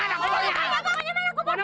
ya gila kidaah pada datang